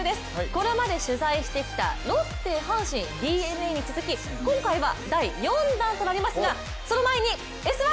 これまで取材してきたロッテ、阪神、ＤｅＮＡに続き今回は第４弾となりますがその前に「Ｓ☆１」